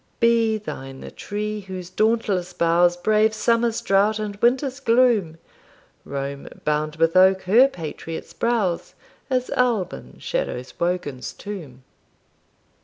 Be thine the tree whose dauntless boughs Brave summer's drought and winter's gloom. Rome bound with oak her patriots' brows, As Albyn shadows Wogan's tomb.